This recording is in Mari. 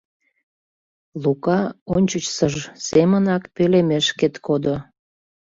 Лука ончычсыж семынак пӧлемеш шкет кодо.